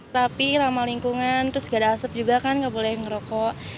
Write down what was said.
rapi ramah lingkungan terus tidak ada asap juga kan tidak boleh merokok